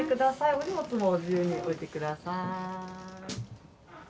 お荷物も自由に置いてください。